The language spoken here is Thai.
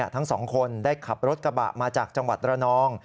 ทั้งสองคนได้ขับรถกระบะมาจากจังหวัดระนอง